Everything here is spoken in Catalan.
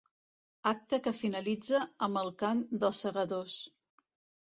Acte que finalitza amb el Cant dels Segadors.